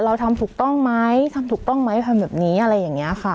เราทำถูกต้องไหมทำถูกต้องไหมทำแบบนี้อะไรอย่างนี้ค่ะ